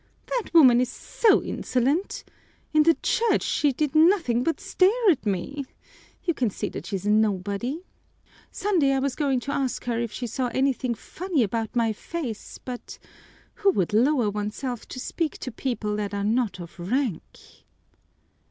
"That woman is so insolent! In the church she did nothing but stare at me. You can see that she's a nobody. Sunday I was going to ask her if she saw anything funny about my face, but who would lower oneself to speak to people that are not of rank?"